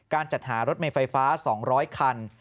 จัดหารถเมย์ไฟฟ้า๒๐๐คัน